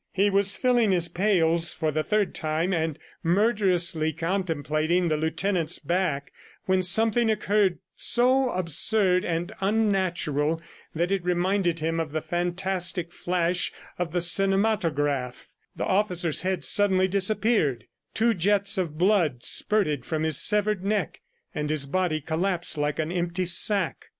He was filling his pails for the third time, and murderously contemplating the lieutenant's back when something occurred so absurd and unnatural that it reminded him of the fantastic flash of the cinematograph; the officer's head suddenly disappeared; two jets of blood spurted from his severed neck and his body collapsed like an empty sack.